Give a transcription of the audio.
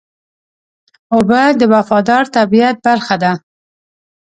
اوبه د وفادار طبیعت برخه ده.